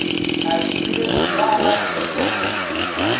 تصویر سیاه و سفید